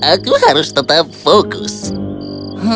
hmm aku harus tetap fokus hmm sekarang waktuku telah tiba